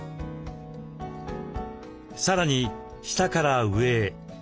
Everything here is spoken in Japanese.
さらに下から上へ。